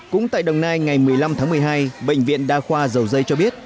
cũng tại đồng nai ngày một mươi năm tháng một mươi hai bệnh viện đa khoa dầu dây cho biết